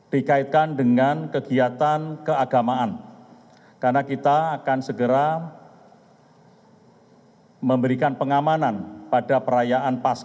dikaitkan dengan kegiatan keagamaan karena kita akan segera memberikan pengamanan pada perayaan pasca